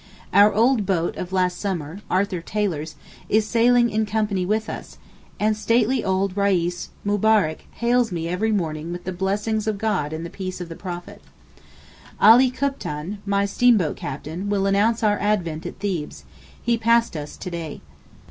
Our old boat of last summer (Arthur Taylor's) is sailing in company with us, and stately old reis Mubharak hails me every morning with the Blessing of God and the Peace of the Prophet. Alee Kuptan, my steamboat captain will announce our advent at Thebes; he passed us to day.